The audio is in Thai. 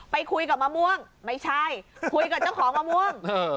ไปคุยกับมะม่วงไม่ใช่คุยกับเจ้าของมะม่วง